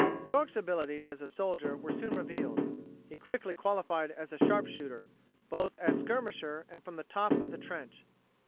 York's abilities as a soldier were soon revealed. He quickly qualified as a sharp shooter, both as skirmisher and from the top of the trench.